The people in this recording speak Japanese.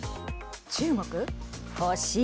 中国、惜しい。